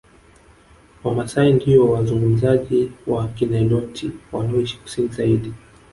Wamasai ndio wazungumzaji wa Kiniloti wanaoishi Kusini zaidi